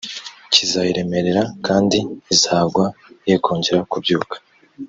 kizayiremerera kandi izagwa ye kongera kubyuka